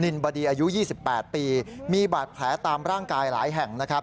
ินบดีอายุ๒๘ปีมีบาดแผลตามร่างกายหลายแห่งนะครับ